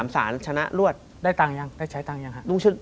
สารชนะรวดได้ตังค์ยังได้ใช้ตังค์ยังครับ